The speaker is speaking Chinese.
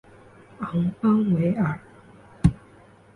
昂邦维尔。